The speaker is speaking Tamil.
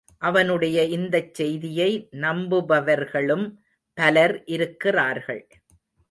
அவனுடைய இந்தச் செய்தியை நம்புபவர்களும் பலர் இருக்கிறார்கள்.